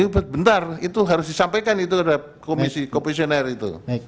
bentar itu harus disampaikan itu terhadap komisi komisioner itu